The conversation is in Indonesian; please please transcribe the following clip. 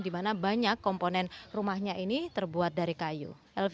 di mana banyak komponen rumahnya ini terbuat dari kayu